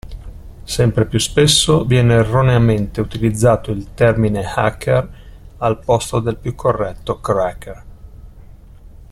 Sempre più spesso viene erroneamente utilizzato il termine hacker al posto del più corretto cracker.